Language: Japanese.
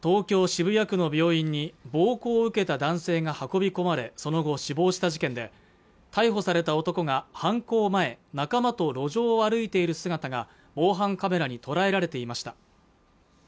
渋谷区の病院に暴行を受けた男性が運び込まれその後死亡した事件で逮捕された男が犯行前仲間と路上を歩いている姿が防犯カメラに捉えられていました